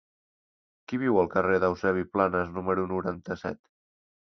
Qui viu al carrer d'Eusebi Planas número noranta-set?